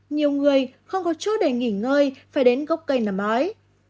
nhiều người không có chỗ để nghỉ ngơi phải đến gốc cây nằm mái